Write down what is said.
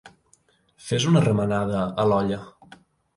Fes una remenada a l'olla.